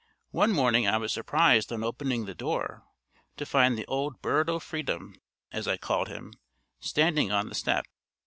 One morning I was surprised on opening the door to find the old Bird o' freedom, as I called him, standing on the step.